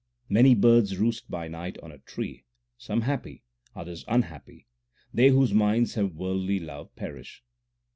Many birds roost by night on a tree Some happy, others unhappy they whose minds have worldly love perish.